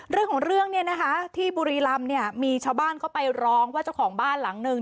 เรื่องของเรื่องที่บุรีลำมีชาวบ้านเขาไปร้องว่าเจ้าของบ้านหลังนึง